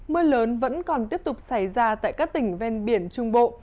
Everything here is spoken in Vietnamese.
mưa lớn vẫn còn tiếp tục xảy ra tại các tỉnh ven biển trung bộ